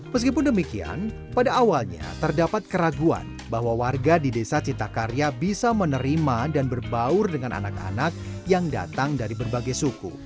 meskipun demikian pada awalnya terdapat keraguan bahwa warga di desa citakarya bisa menerima dan berbaur dengan anak anak yang datang dari berbagai suku